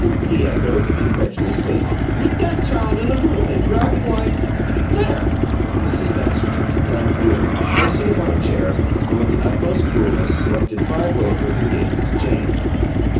he echoed, incredulously "With that child in the room and grabbing like " "There!" Mrs. Baxter took the pan from him, placed it upon a chair, and with the utmost coolness selected five wafers and gave them to Jane.